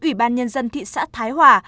ủy ban nhân dân thị xã thái hòa